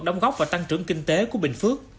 đóng góp và tăng trưởng kinh tế của bình phước